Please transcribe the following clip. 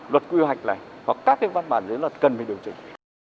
luật quy hoạch này hoặc các cái văn bản dưới luật cần phải điều chỉnh